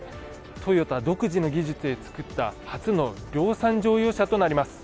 トヨタ独自の技術で作った初の量産乗用車になります。